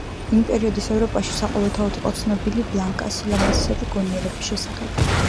იმ პერიოდის ევროპაში, საყოველთაოდ იყო ცნობილი ბლანკას სილამაზისა და გონიერების შესახებ.